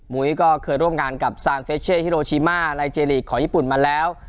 ุ้ยก็เคยร่วมงานกับซานเฟชเช่ฮิโรชิมาในเจลีกของญี่ปุ่นมาแล้ว